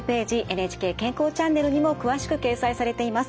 「ＮＨＫ健康チャンネル」にも詳しく掲載されています。